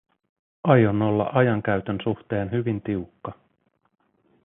Aion olla ajankäytön suhteen hyvin tiukka.